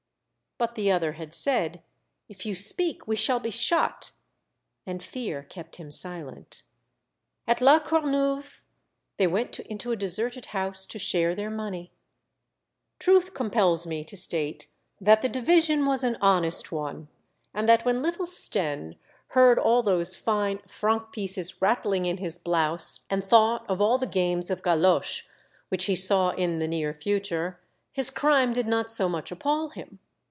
But the other had said, *' If you speak, we shall be shot," and fear kept him silent. At La Corneuve they went into a deserted house to share their money. Truth compels me to state that the division was an honest one, and that when little Stenne heard all those fine franc pieces rattling in his blouse and thought of all those games of galoche which he saw in the near future, his crime did not so much appall him.